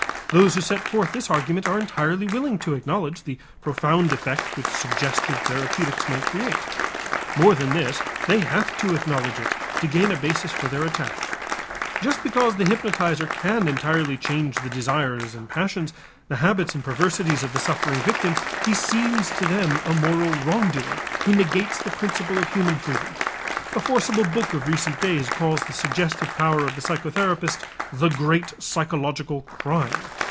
Those who set forth this argument are entirely willing to acknowledge the profound effect which suggestive therapeutics may create. More than this, they have to acknowledge it to gain a basis for their attack. Just because the hypnotizer can entirely change the desires and passions, the habits and perversities of the suffering victim, he seems to them a moral wrongdoer who negates the principle of human freedom. A forcible book of recent days calls the suggestive power of the psychotherapist "The Great Psychological Crime."